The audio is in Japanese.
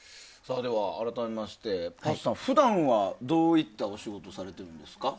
では、改めましてパースさんは普段はどういった仕事をされているんですか？